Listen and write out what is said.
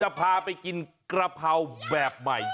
พาไปกินกะเพราแบบใหม่